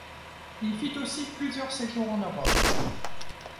Il fit aussi plusieurs séjours en Europe.